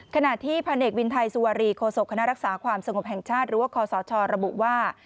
ขณะที่พันเอกวินไทยสุวรีโคศกคณะรักษาความสงบแห่งชาติหรือว่าคอสชระบุว่า